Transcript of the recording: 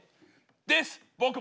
です僕も。